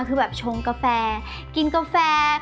ซึ่งบ้ะชงกาแฟกินกาแฟ